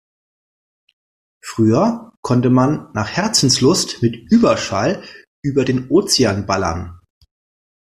Früher konnte man nach Herzenslust mit Überschall über den Ozean ballern.